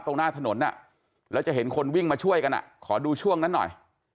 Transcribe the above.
ตรงหน้าถนนแล้วจะเห็นคนวิ่งมาช่วยกันขอดูช่วงนั้นหน่อย